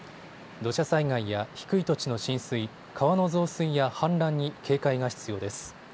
土砂災害や低い土地の浸水、川の増水や氾濫に警戒が必要です。